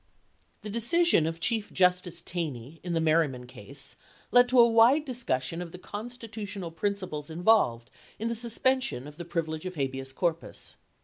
fT^HE decision of Chief Justice Taney iu the I MeiTjTnan case led to a wide discussion of the 1861. constitutional principles involved in the suspension of the privilege of habeas corpus.